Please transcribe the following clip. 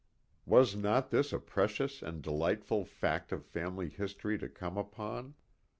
Was not this a precious and delightful fact of family history to come upon ?